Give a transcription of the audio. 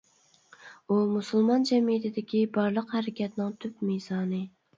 ئۇ مۇسۇلمان جەمئىيىتىدىكى بارلىق ھەرىكەتنىڭ تۈپ مىزانى.